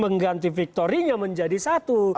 mengganti victorinya menjadi satu